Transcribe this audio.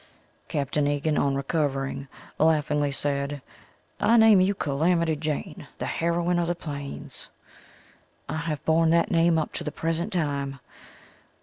Capt. Egan on recovering, laughingly said: "I name you Calamity Jane, the heroine of the plains." I have borne that name up to the present time.